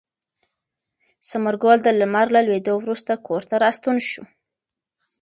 ثمر ګل د لمر له لوېدو وروسته کور ته راستون شو.